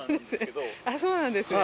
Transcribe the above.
そうなんですね。